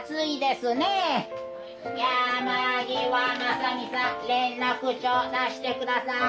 山際正己さん連絡帳出して下さい。